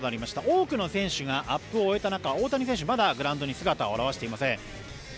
多くの選手がアップを終えた中大谷選手、まだグラウンドに姿を現していません。